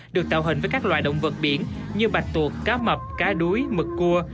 được tạo hình với các loài động vật biển như bạch tuột cá mập cá đuối mực cua